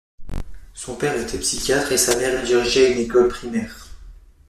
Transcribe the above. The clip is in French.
Son père était psychiatre et sa mère dirigeait une école primaire.